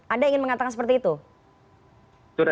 anda ingin mengatakan seperti itu